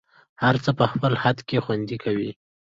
هر څه په خپل خد کي خوند کوي